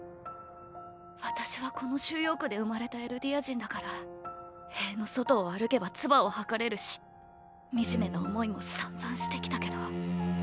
私はこの収容区で生まれたエルディア人だから塀の外を歩けばツバを吐かれるし惨めな思いも散々してきたけど。